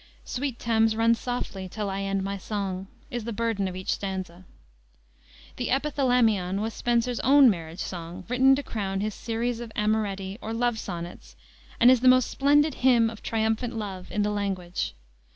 "Sweet Thames, run softly till I end my song," is the burden of each stanza. The Epithalamion was Spenser's own marriage song, written to crown his series of Amoretti, or love sonnets, and is the most splendid hymn of triumphant love in the language.